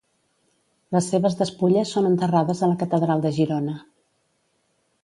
Les seves despulles són enterrades a la Catedral de Girona.